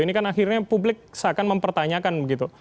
ini kan akhirnya publik seakan mempertanyakan begitu